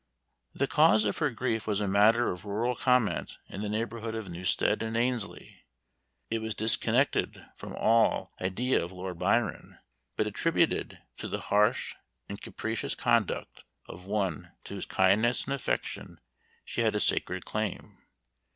The cause of her grief was a matter of rural comment in the neighborhood of Newstead and Annesley. It was disconnected from all idea of Lord Byron, but attributed to the harsh and capricious conduct of one to whose kindness and affection she had a sacred claim.